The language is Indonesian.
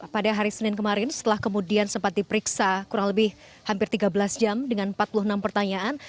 pada hari senin kemarin setelah kemudian sempat diperiksa kurang lebih hampir tiga belas jam dengan empat puluh enam pertanyaan